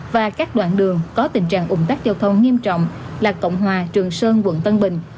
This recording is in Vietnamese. và các đoạn đường có tình trạng ủng tắc giao thông nghiêm trọng là cộng hòa trường sơn quận tân bình